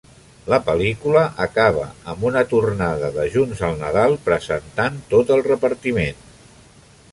La pel·lícula acaba amb una tornada de "Junts al Nadal", presentant tot el repartiment.